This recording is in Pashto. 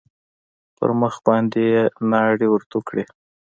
پر مخ باندې يې ناړې ورتو کړې.